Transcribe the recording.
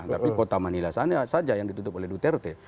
tapi kota manila sana saja yang ditutup oleh duterte